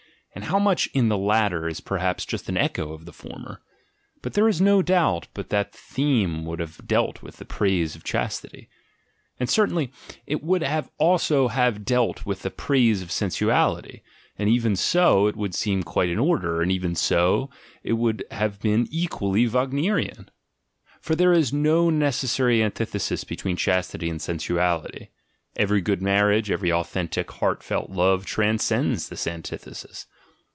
And how much in the latter is perhaps just an echo of the former? But there is no doubt but that the theme would have dealt with the praise of chastity. And certainly it would also have dealt with the praise of sensuality, and even so, it would seem quite in order, and 96 THE GENEALOGY OF MORALS even so, it would have been equally Wagnerian. For there is no necessary antithesis between chastity and sen suality: every good marriage, every authentic heart felt love transcends this antithesis.